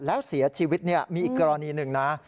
แล้วเสียชีวิตมีอีกกรณีหนึ่งนะ